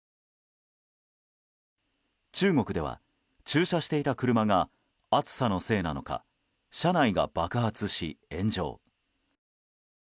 中国では駐車していた車が暑さのせいなのか車内が爆発し、炎上。